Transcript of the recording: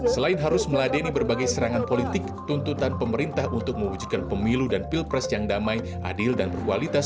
selain harus meladeni berbagai serangan politik tuntutan pemerintah untuk mewujudkan pemilu dan pilpres yang damai adil dan berkualitas